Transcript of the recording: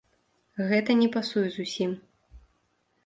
Гэта не пасуе зусім.